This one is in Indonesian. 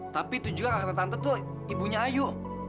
tapi itu juga kata tante tuh ibunya ayu